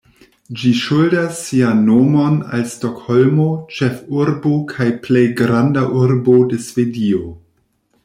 Ĝi ŝuldas sian nomon al Stokholmo, ĉefurbo kaj plej granda urbo de Svedio.